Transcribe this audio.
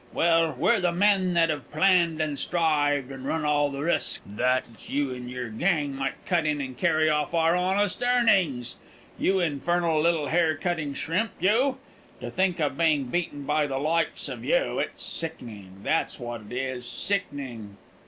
"Well, we're the men that have planned and strived, and run all the risk, that you and your gang might cut in and carry off our honest earnings. You infernal little hair cutting shrimp, you! To think of being beaten by the likes of you! It's sickening, that's what it is, sickening!"